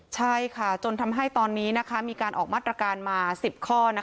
ใช่ค่ะจนทำให้ตอนนี้มีการออกมาตรการมา๑๐ข้อ